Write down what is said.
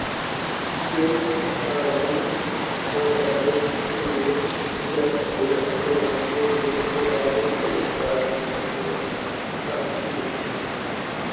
feltro, para-lama, alargador, funil, engraxadeira, volante, neblina, pedal do freio, garfo, forquilha, chassis